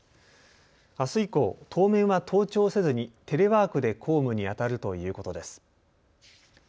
あす以降、当面は登庁せずにテレワークで公務にあたるということです。